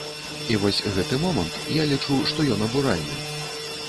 І вось гэты момант, я лічу, што ён абуральны.